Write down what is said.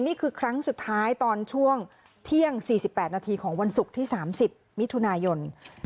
นี่คือครั้งสุดท้ายตอนช่วงเที่ยง๔๘นาทีของวันศุกร์ที่๓๐มิถุนายน